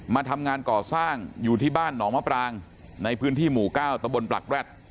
มาทำงานก่อสร้างอยู่ที่บ้านหนองมะปรางในพื้นที่หมู่เก้าตะบนปรักแร็ด